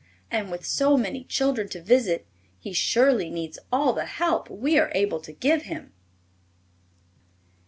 And, with so many children to visit, he surely needs all the help we are able to give him.